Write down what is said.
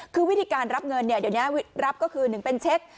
คือวิธีการรับเงินเดี๋ยวนี้รับก็คือ๑เป็นเช็ค